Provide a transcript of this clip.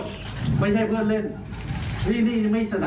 แต่มันก็เป็นเงินเหมือนกันนี่คะมันใช้ได้เหรอใช้ใช้ซื้อค่าได้เหรอ